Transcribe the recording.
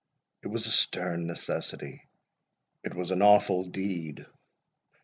—It was a stern necessity—it was an awful deed!